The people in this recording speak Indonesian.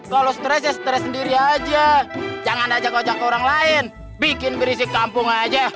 kalau stress stress sendiri aja jangan aja kocok orang lain bikin berisik kampung aja